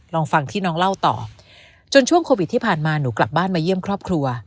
ลองฟังที่น้องเล่าต่อจนช่วงโควิดที่ผ่านมาหนูกลับบ้านมาเยี่ยมครอบครัว